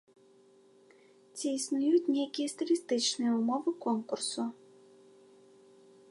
Ці існуюць нейкія стылістычныя ўмовы конкурсу?